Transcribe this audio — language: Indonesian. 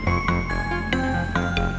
aku mau pergi